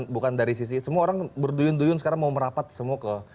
bukan dari sisi semua orang berduyun duyun sekarang mau merapat semua ke